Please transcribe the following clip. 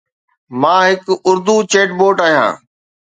مان هڪ Urdu chatbot آهيان.